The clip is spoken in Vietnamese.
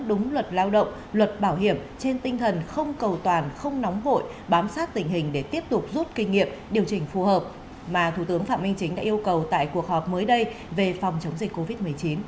đúng luật lao động luật bảo hiểm trên tinh thần không cầu toàn không nóng vội bám sát tình hình để tiếp tục rút kinh nghiệm điều chỉnh phù hợp mà thủ tướng phạm minh chính đã yêu cầu tại cuộc họp mới đây về phòng chống dịch covid một mươi chín